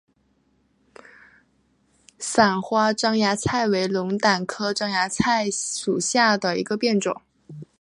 伞花獐牙菜为龙胆科獐牙菜属下的一个变种。